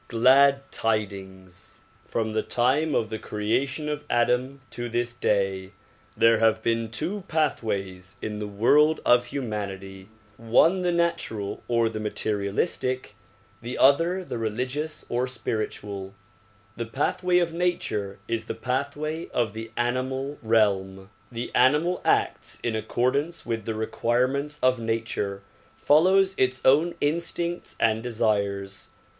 Glad tidings! From the time of the creation of Adam to this dav there have 172 THE PROMULGATION OF UNIVERSAL PEACE been two pathways in the world of humanity; one the natural or materialistic, the other the religious or spiritual. The pathway of nature is the pathway of the animal realm. The animal acts in accordance with the requirements of nature, follows its own in stincts and desires.